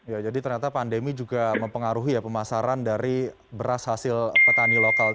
ya jadi ternyata pandemi juga mempengaruhi ya pemasaran dari beras hasil petani lokal